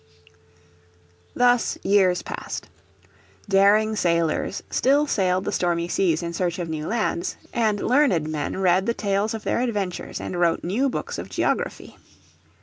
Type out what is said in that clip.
Thus years passed. Daring sailors still sailed the stormy seas in search of new lands, and learned men read the tales of their adventures and wrote new books of geography.